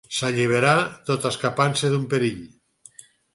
S'alliberà, tot escapant-se d'un perill.